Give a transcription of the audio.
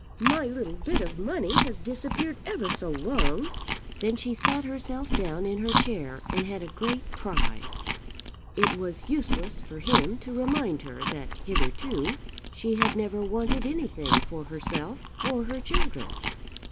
My little bit of money has disappeared ever so long." Then she sat herself down in her chair and had a great cry. It was useless for him to remind her that hitherto she had never wanted anything for herself or her children.